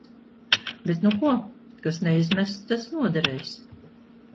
Bet nu ko, kas neizmests, tas noderēs.